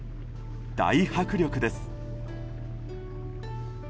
大迫力です。